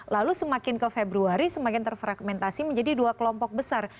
lalu semakin ke februari semakin terfragmentasi menjadi dua kelompok besar